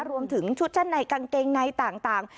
รวมถึงชุดชั้นในกางเกงในต่าง